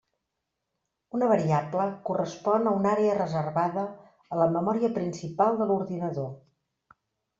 Una variable correspon a una àrea reservada a la memòria principal de l'ordinador.